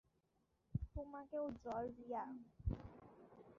তোমাকেও, জর্জিয়া।